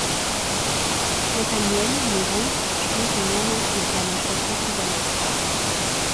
Nathaniel Moreau spielte mehrmals mit seiner Schwester zusammen.